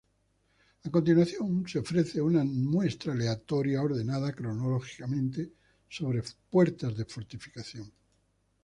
A continuación se ofrece una muestra aleatoria, ordenada cronológicamente, sobre puertas de fortificación.